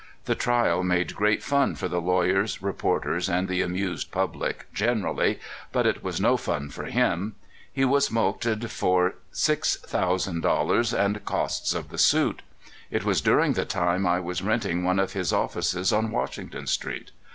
The trial made great fun for the lawyers, reporters, and the amused public generally; but it was no fun for him. He was mulcted for six thousand dollars and costs of the suit. It was during the time I was renting one of his offices on Washington Street.